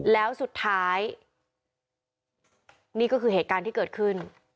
แล้วสุดท้ายนี่ก็คือเหตุการณ์ที่เกิดขึ้น